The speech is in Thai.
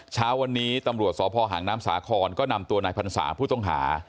เช้าวันนี้ตำรวจสพหางน้ำสาครก็นำตัวนายพรรษาผู้ต้องหา